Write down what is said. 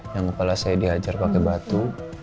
yang kepala saya dihajar pakai batu